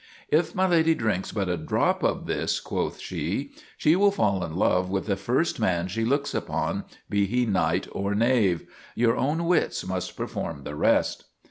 "If My Lady drinks but a drop of this," quoth she, "she will fall in love with the first man she looks upon, be he knight or knave. Your own wits must perform the rest."